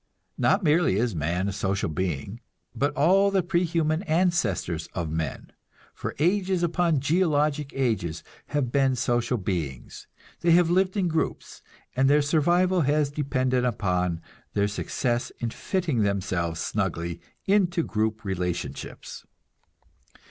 Not merely is man a social being, but all the prehuman ancestors of men, for ages upon geologic ages, have been social beings; they have lived in groups, and their survival has depended upon their success in fitting themselves snugly into group relationships.